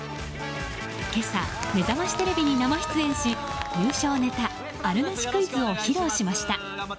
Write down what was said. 今朝「めざましテレビ」に生出演し優勝ネタあるなしクイズを披露しました。